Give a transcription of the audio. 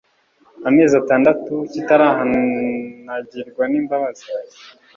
amezi atandatu kitarahanagirwa n imbabazi